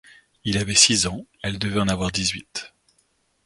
Il avait six ans, elle devait en avoir dix-huit.